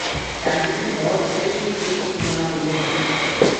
چآئيٚنج ڀوت سئي اينگريجيٚ ڪونآ ٻولينٚ۔